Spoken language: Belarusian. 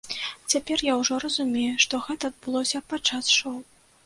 Цяпер я ўжо разумею, што гэта адбылося падчас шоў.